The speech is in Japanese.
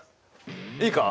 いいか！